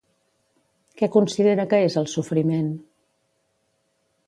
Què considera que és el sofriment?